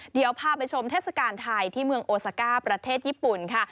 เดี๋ยวพาไปชมเทศกาลไทยที่เมืองโอซาก้าประเทศญี่ปุ่นค่ะ